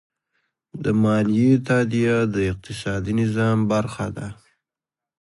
د مالیې تادیه د اقتصادي نظم برخه ده.